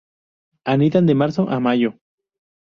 Anidan de marzo a mayo.